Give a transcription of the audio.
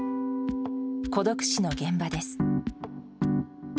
孤独死の現場です。